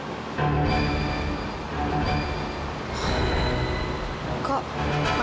soalnya itu juga makanan kesukaan aku